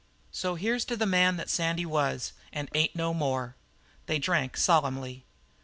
"So here's to the man that Sandy was and ain't no more." They drank solemnly.